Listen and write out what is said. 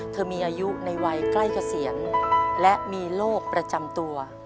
มีอายุในวัยใกล้เกษียณและมีโรคประจำตัว